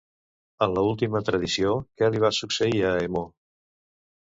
En l'última tradició, què li va succeir a Hemó?